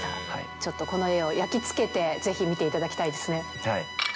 ちょっとこの絵を焼き付けて、ぜひ見ていただきたいですね。